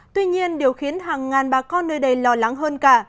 tuy nhiên điều khiến hàng ngàn bà con nơi đây lo lắng hơn cả